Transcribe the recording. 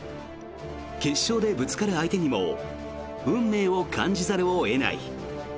決勝でぶつかる相手にも運命を感じざるを得ない。